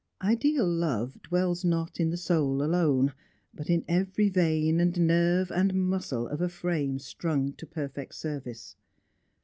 Ideal love dwells not in the soul alone, but in every vein and nerve and muscle of a frame strung to perfect service.